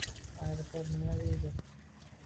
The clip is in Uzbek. Aeroport nima deydi?